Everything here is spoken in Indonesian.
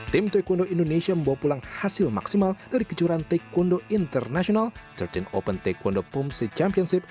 tim taekwondo indonesia membawa pulang hasil maksimal dari kejuaraan taekwondo international tiga belas open taekwondo pumc championship